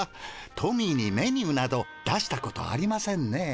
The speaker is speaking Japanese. トミーにメニューなど出したことありませんね。